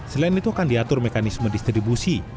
selain itu akan diatur mekanisme distribusi